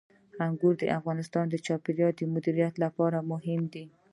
انګور د افغانستان د چاپیریال د مدیریت لپاره مهم دي.